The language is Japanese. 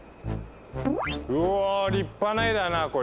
うぉ立派な絵だなこりゃ。